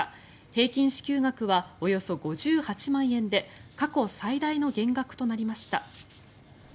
平均支給額はおよそ５８万円で過去最大の減額となりました。